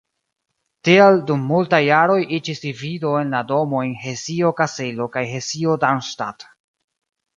Tial dum multaj jaroj iĝis divido en la domojn Hesio-Kaselo kaj Hesio-Darmstadt.